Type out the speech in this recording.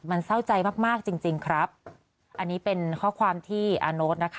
มันเศร้าใจมากมากจริงจริงครับอันนี้เป็นข้อความที่อาโน๊ตนะคะ